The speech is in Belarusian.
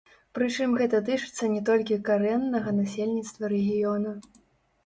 Прычым гэта тычыцца не толькі карэннага насельніцтва рэгіёна.